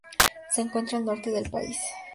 Se encuentra al norte del país.